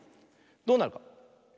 どうなるか？